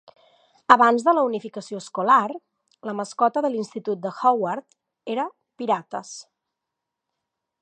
Abans de la unificació escolar, la mascota de l'Institut de Howard era Pirates.